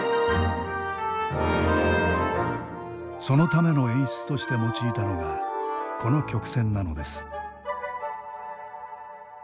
そのための演出として用いたのがこの曲線なのです。